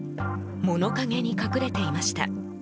物陰に隠れていました。